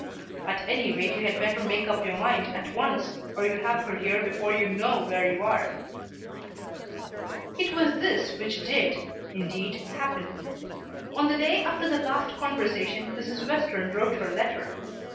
At any rate you had better make up your mind at once or you'll have her here before you know where you are." It was this which did, indeed, happen. On the day after the last conversation Mrs. Western wrote her letter.